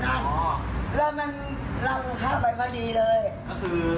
เข้ามาถามหน้าตรงนั้นแล้วเราก็เข้าไปผัดีเลย